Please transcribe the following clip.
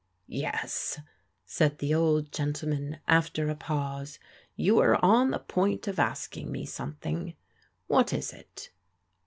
Yes," said the old gentleman, after a pause, *'you are on the point of asking me something. What is it?"